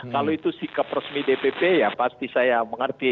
kalau itu sikap resmi dpp ya pasti saya mengerti